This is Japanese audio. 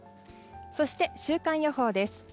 そして週間予報です。